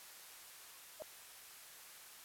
Nitamaliza shule mwaka huu